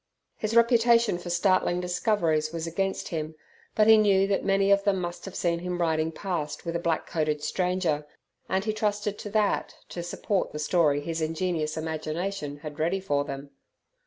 His reputation for startling discoveries was against him, but he knew that many of them must have seen him riding past with a black coated stranger, and he trusted to that to support the story his ingenious imagination had ready for them.